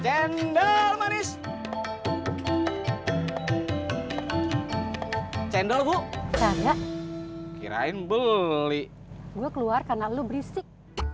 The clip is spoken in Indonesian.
cendol manis cendol bu canda kirain beli gue keluar karena lu berisik